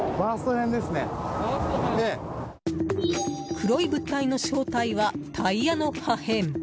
黒い物体の正体はタイヤの破片。